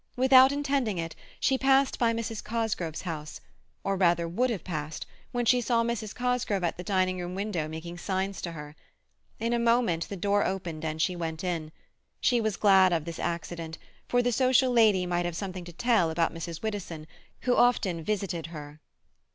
Without intending it, she passed by Mrs. Cosgrove's house, or rather would have passed, when she saw Mrs. Cosgrove at the dining room window making signs to her. In a moment the door opened and she went in. She was glad of this accident, for the social lady might have something to tell about Mrs. Widdowson, who often visited her.